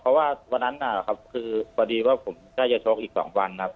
เพราะว่าวันนั้นอ่ะครับคือพอดีว่าผมใกล้จะโชคอีกสองวันนะครับ